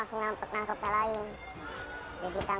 eh tidak lama kemudian